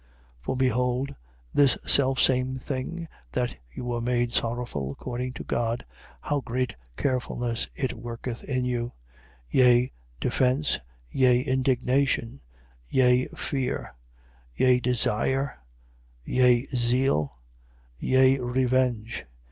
7:11. For behold this selfsame thing, that you were made sorrowful according to God, how great carefulness it worketh in you: yea defence, yea indignation, yea fear, yea desire, yea zeal, yea revenge.